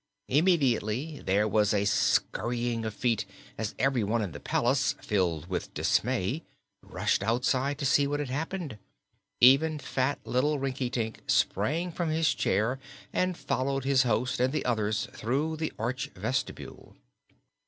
Immediately there was a scurrying of feet as every one in the palace, filled with dismay, rushed outside to see what had happened. Even fat little Rinkitink sprang from his chair and followed his host and the others through the arched vestibule.